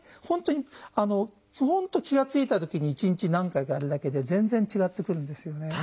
本当に本当気が付いたときに一日何回かやるだけで全然違ってくるんですよね。